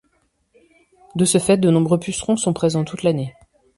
De ce fait, de nombreux pucerons sont présents toute l'année.